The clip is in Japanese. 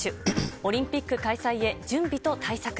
オリンピック開催へ、準備と対策。